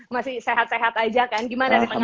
masih sehat sehat aja kan gimana di tengah pandemi